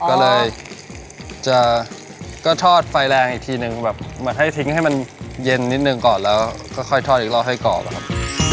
ก็เลยจะก็ทอดไฟแรงอีกทีหนึ่งแบบเหมือนให้ทิ้งให้มันเย็นนิดหนึ่งก่อนแล้วก็ค่อยทอดอีกรอบให้กรอบอะครับ